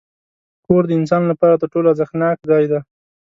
کور د انسان لپاره تر ټولو ارزښتناک ځای دی.